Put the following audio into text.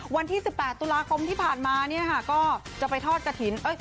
วันที่๑๘ตุลาคมที่ผ่านมาเนี่ยค่ะก็จะไปทอดกระถิ่น